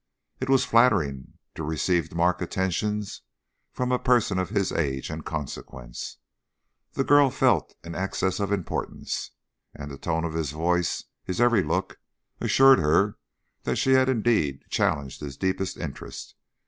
It was flattering to receive marked attentions from a person of his age and consequence the girl felt an access of importance and the tone of his voice, his every look, assured her that she had indeed challenged his deepest interest.